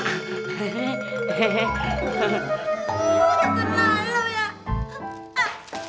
kamu terlalu ya